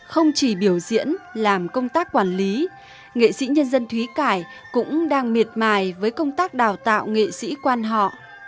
không chỉ biểu diễn làm công tác quản lý nghệ sĩ nhân dân thúy cải cũng đang miệt mài với công tác đào tạo nghệ sĩ quan họ